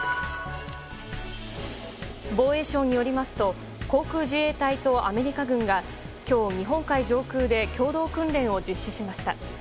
防衛省によりますと航空自衛隊とアメリカ軍が今日、日本海上空で共同訓練を実施しました。